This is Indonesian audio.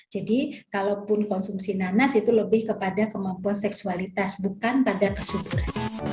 jadi kalaupun konsumsi nanas itu lebih kepada kemampuan seksualitas bukan pada kesuburan